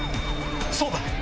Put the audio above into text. そうだ。